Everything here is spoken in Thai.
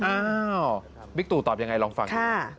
อ้าววิกตูตอบอย่างไรลองฟัง